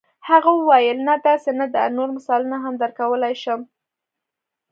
هغه وویل نه داسې نه ده نور مثالونه هم درکولای شم.